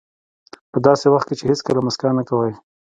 په داسې وخت کې چې هېڅکله موسکا نه کوئ.